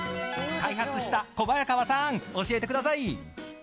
開発した小早川さん教えてください。